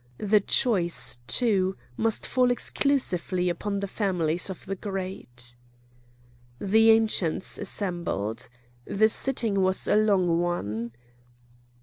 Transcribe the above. The choice, too, must fall exclusively upon the families of the great. The Ancients assembled. The sitting was a long one.